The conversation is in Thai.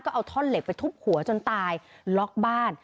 เอาท่อนเหล็กไปทุบหัวจนตายล็อกบ้าน